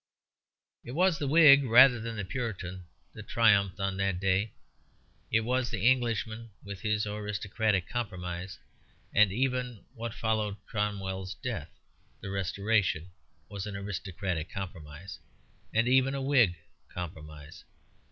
It was the Whig rather than the Puritan that triumphed on that day; it was the Englishman with his aristocratic compromise; and even what followed Cromwell's death, the Restoration, was an aristocratic compromise, and even a Whig compromise.